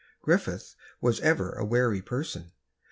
Griffith was ever a wary person.